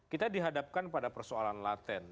kita dihadapkan pada persoalan laten